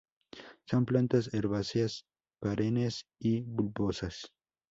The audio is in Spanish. Son plantas herbáceas, perennes y bulbosas.